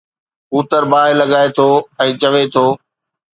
پوتر باهه لڳائي ٿو ۽ چوي ٿو